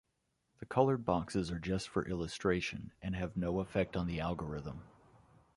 The colored boxes are just for illustration and have no effect on the algorithm.